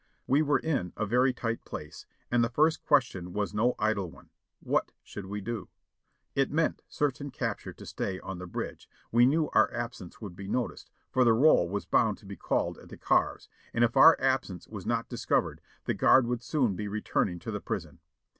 We were in a very tight place, and the first question was no idle one: what should we do? It meant certain capture to stay on the bridge ; we knew our absence would be noticed, for the roll was bound to be called at the cars, and if our absence was not discovered the guard would soon be returning to the prison.